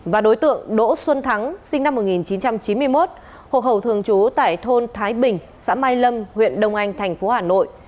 và đối tượng đỗ xuân thắng sinh năm một nghìn chín trăm chín mươi một hộ khẩu thường trú tại thôn thái bình xã mai lâm huyện đông anh tp hà nội